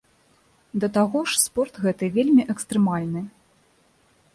Да таго ж спорт гэты вельмі экстрэмальны.